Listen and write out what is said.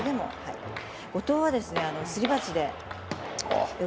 五島はすり鉢で